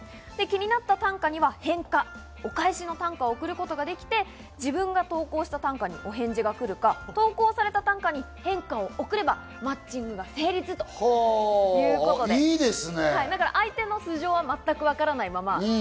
気になった短歌には返歌、お返しの短歌を送ることができて、自分が投稿した短歌にお返事が来るか、投稿された短歌に返歌を送ればマッチング成立ということです。